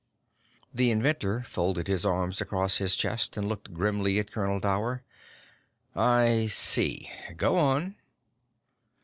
The inventor folded his arms across his chest and looked grimly at Colonel Dower. "I see. Go on."